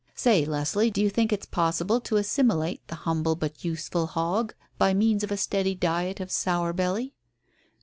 Say, Leslie, do you think it's possible to assimilate the humble but useful hog by means of a steady diet of 'sour belly'?"